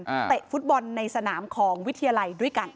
เตะฟุตบอลในสนามของวิทยาลัยด้วยกัน